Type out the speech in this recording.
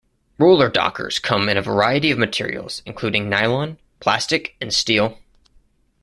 Roller dockers come in a variety of materials, including nylon, plastic, and steel.